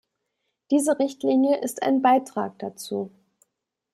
Diese Richtlinie ist ein Beitrag dazu.